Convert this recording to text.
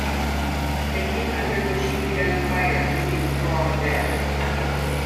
They came under machine gun fire, leaving Craw dead.